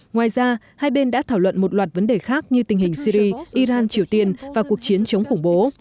ngoài ra hai bên đã thảo luận một loạt vấn đề khác như tình hình syri iran triều tiên và cuộc chiến chống khủng bố